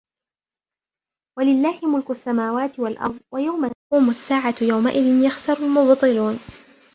وَلِلَّهِ مُلْكُ السَّمَاوَاتِ وَالْأَرْضِ وَيَوْمَ تَقُومُ السَّاعَةُ يَوْمَئِذٍ يَخْسَرُ الْمُبْطِلُونَ